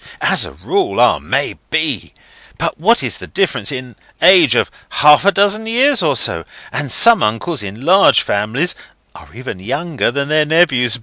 "As a rule! Ah, may be! But what is a difference in age of half a dozen years or so? And some uncles, in large families, are even younger than their nephews.